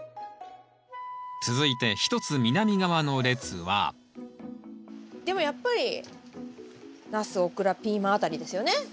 続いて一つ南側の列はでもやっぱりナスオクラピーマンあたりですよね。